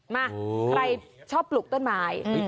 มาใครชอบปลูกต้นไม้